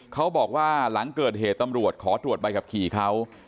เขาบอกว่าหลังเกิดเหตุตำรวจขอตรวจใบขับขี่เขา